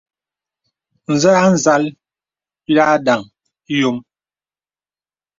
Zə̀ a nzàl y à ndaŋ yōm.